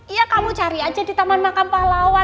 iya kamu cari aja di taman makam pahlawan